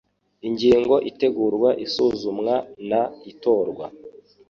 Ingingo Itegurwa isuzumwa n itorwa